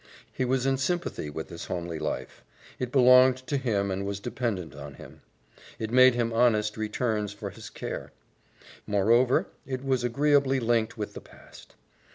He was in sympathy with this homely life; it belonged to him and was dependent on him; it made him honest returns for his care. Moreover, it was agreeably linked with the past.